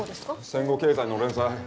戦後経済の連載。